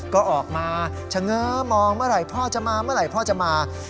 ก็ออกมาเฉง้อมองเมื่อไหร่พ่อจะมาเมื่อไหร่พ่อจะมา